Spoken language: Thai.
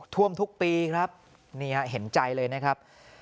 ท่วมทุกปีครับนี่ฮะเห็นใจเลยนะครับ